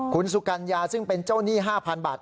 คุณสุกัญญาซึ่งเป็นเจ้าหนี้๕๐๐บาท